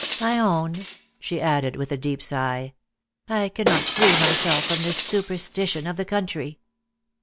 I own," she added, with a deep sigh, " I cannot free myself from this superstition of the country."